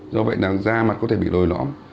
do vậy là da mặt có thể bị lồi lõm